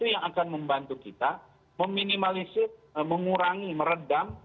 yang akan membantu kita meminimalisir mengurangi meredam